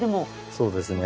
そうですね。